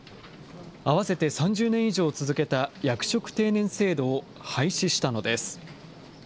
合わせて３０年以上続けた役職定年制度を廃止したのです。